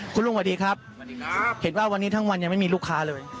คุณลุงสวัสดีครับเห็นว่าวันนี้ทั้งวันยังไม่มีลูกค้าเลย